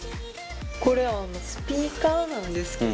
これスピーカーなんですけど。